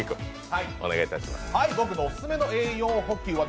僕のオススメの私の栄養補給は。